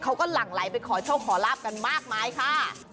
หลั่งไหลไปขอโชคขอลาบกันมากมายค่ะ